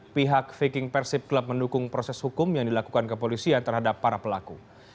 pihak viking persib club mendukung proses hukum yang dilakukan kepolisian terhadap para pelaku